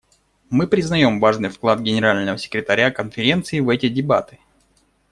Мы признаем важный вклад Генерального секретаря Конференции в эти дебаты.